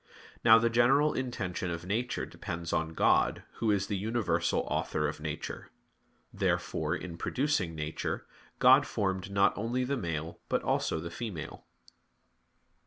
Now the general intention of nature depends on God, Who is the universal Author of nature. Therefore, in producing nature, God formed not only the male but also the female.